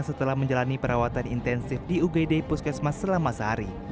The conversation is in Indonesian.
setelah menjalani perawatan intensif di ugd puskesmas selama sehari